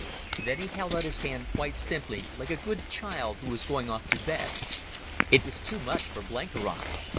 Then he held out his hand quite simply, like a good child who is going off to bed. It was too much for Blenkiron.